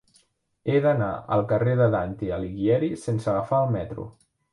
He d'anar al carrer de Dante Alighieri sense agafar el metro.